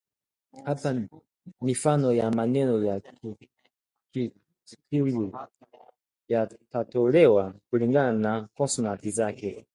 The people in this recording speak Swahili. Hapa mifano ya maneno ya Kitikuu yatatolewa kulingana na konsonanti zake